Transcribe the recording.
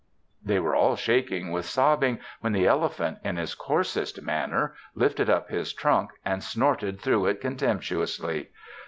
They were all shaking with sobbing when the elephant, in his coarsest manner, lifted, up his trunk and snorted through it contemptuously.